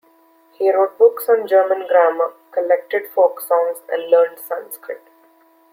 He wrote books on German grammar, collected folk songs, and learned Sanskrit.